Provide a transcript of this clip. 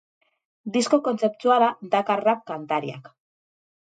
Disko kontzeptuala dakar rap kantariak.